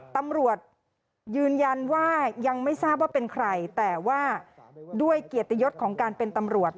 ตำรวจยืนยันว่ายังไม่ทราบว่าเป็นใครแต่ว่าด้วยเกียรติยศของการเป็นตำรวจ